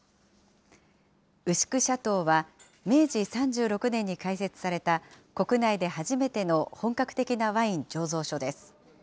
牛久シャトーは明治３６年に開設された国内で初めての本格的なワイン醸造所です。